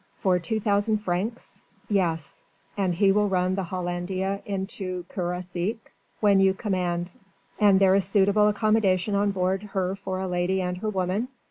"For two thousand francs?" "Yes." "And he will run the Hollandia into Le Croisic?" "When you command." "And there is suitable accommodation on board her for a lady and her woman?"